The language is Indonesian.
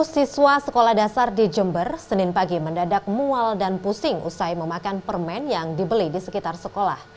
dua ratus siswa sekolah dasar di jember senin pagi mendadak mual dan pusing usai memakan permen yang dibeli di sekitar sekolah